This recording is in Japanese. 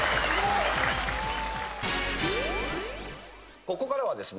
ここからはですね